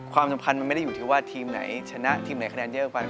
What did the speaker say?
ความสัมพันธ์มันไม่ได้อยู่ที่ว่าทีมไหนชนะทีมไหนคะแนนเยอะไป